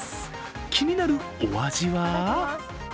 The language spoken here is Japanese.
気になるお味は？